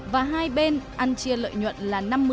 và hai bên ăn chia lợi nhuận là năm mươi năm mươi